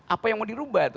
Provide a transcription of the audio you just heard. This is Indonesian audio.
apa yang mau dirubah